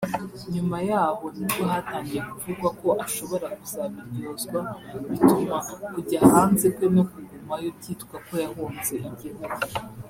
nyuma yaho nibwo hatangiye kuvugwa ko ashobora kuzabiryozwa bituma kujya hanze kwe no kugumayo byitwa ko yahunze igihugu